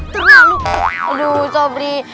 terlalu aduh sobri